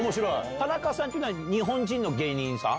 タナカさんっていうのは日本人の芸人さん？